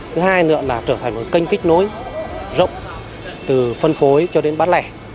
thứ hai nữa là trở thành một kênh kết nối rộng từ phân phối cho đến bán lẻ